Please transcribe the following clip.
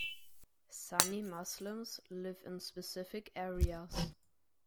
Sunni Muslims live in specific areas.